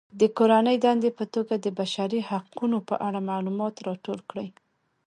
د کورنۍ دندې په توګه د بشري حقونو په اړه معلومات راټول کړئ.